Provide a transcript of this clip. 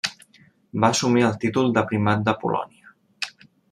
Va assumir el títol de Primat de Polònia.